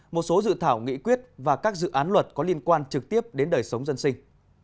một số dự thảo nghị quyết và các dự án luật có liên quan trực tiếp đến đời sống dân sinh